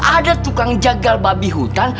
ada tukang jagal babi hutan